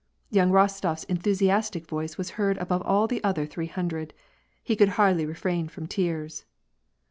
Young RostoFs enthusiastic voice was heard above all the other three hundred. He could hardly refrain from tears.